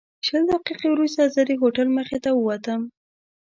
شل دقیقې وروسته زه د هوټل مخې ته ووتم.